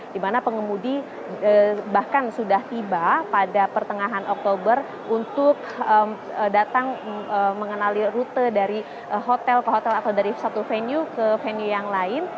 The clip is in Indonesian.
di mana pengemudi bahkan sudah tiba pada pertengahan oktober untuk datang mengenali rute dari hotel ke hotel atau dari satu venue ke venue yang lain